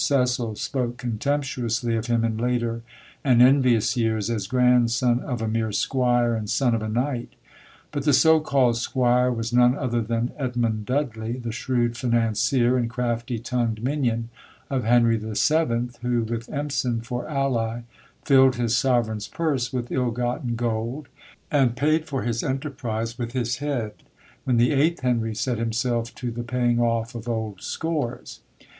Cecil spoke contemptuously of him in later and envious years as grandson of a mere squire and son of a knight; but the so called squire was none other than Edmond Dudley, the shrewd financier and crafty tongued minion of Henry VII., who, with Empson for ally, filled his sovereign's purse with ill gotten gold, and paid for his enterprise with his head when the eighth Henry set himself to the paying off of old scores.